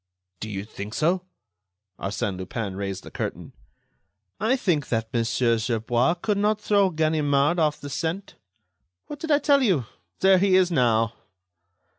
"Do you think so?" Arsène Lupin raised the curtain. "I think that Monsieur Gerbois could not throw Ganimard off the scent.... What did I tell you? There he is now."